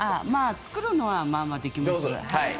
作るのはまあまあできますね。